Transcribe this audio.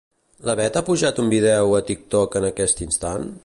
La Beth ha pujat un vídeo a TikTok en aquest instant?